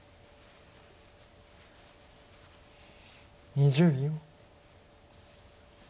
２０秒。